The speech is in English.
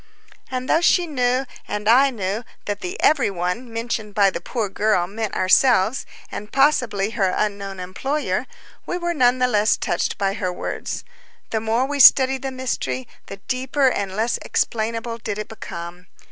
And though she knew and I knew that the "every one" mentioned by the poor girl meant ourselves, and possibly her unknown employer, we were none the less touched by her words. The more we studied the mystery, the deeper and less explainable did it become.